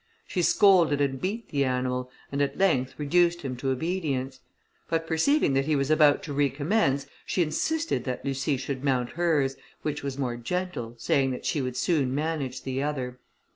She scolded and beat the animal, and at length reduced him to obedience; but perceiving that he was about to recommence, she insisted that Lucie should mount hers, which was more gentle, saying that she would soon manage the other.